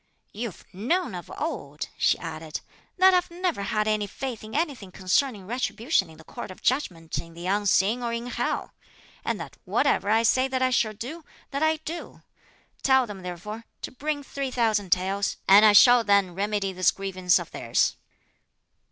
"You've known of old," she added, "that I've never had any faith in anything concerning retribution in the Court of Judgment in the unseen or in hell; and that whatever I say that I shall do, that I do; tell them therefore to bring three thousand taels; and I shall then remedy this grievance of theirs."